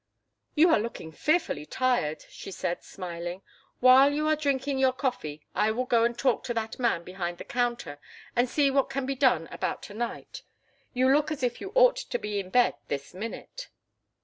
"You look fearfully tired," she said, smiling. "While you are drinking your coffee I will go and talk to that man behind the counter and see what can be done about to night. You look as if you ought to be in bed this minute."